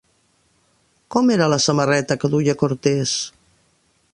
Com era la samarreta que duia Cortès?